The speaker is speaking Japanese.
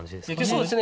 そうですね。